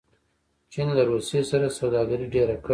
چین له روسیې سره سوداګري ډېره کړې.